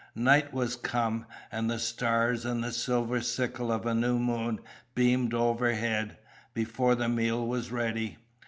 Night was come, and the stars and the silver sickle of new moon beamed overhead, before the meal was ready.